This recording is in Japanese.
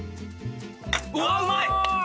うわっうまい！